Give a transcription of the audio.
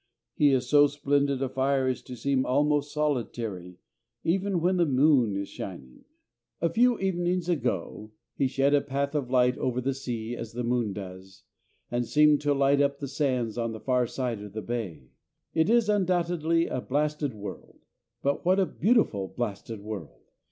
He is so splendid a fire as to seem almost solitary, even when the moon is shining. A few evenings ago, he shed a path of light over the sea as the moon does, and seemed to light up the sands on the far side of the bay.... It is undoubtedly a blasted world, but what a beautiful blasted world!